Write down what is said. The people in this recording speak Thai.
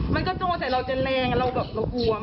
มันก็จงว่าใส่เราจะแรงเรากลัวมาก